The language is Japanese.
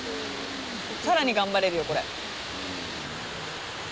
さらに頑張れるよ、これ。